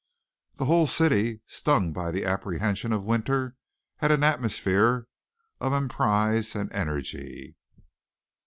The whole city, stung by the apprehension of winter, had an atmosphere of emprise and energy.